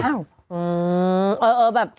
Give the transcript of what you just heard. เอ้าเออแบบ